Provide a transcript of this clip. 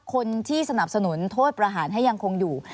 คนที่สนับสนุนโทษประหารให้ยังคงอยู่